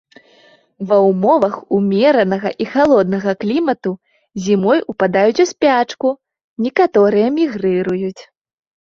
Ва ўмовах умеранага і халоднага клімату зімой упадаюць у спячку, некаторыя мігрыруюць.